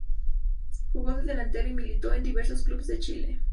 Jugó de delantero y militó en diversos clubes de Chile.